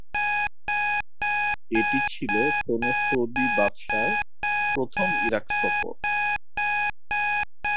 এটি ছিল কোনো সৌদি বাদশাহর প্রথম ইরাক সফর।